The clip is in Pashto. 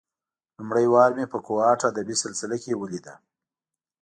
لومړۍ وار مې په کوهاټ ادبي سلسله کې ولېده.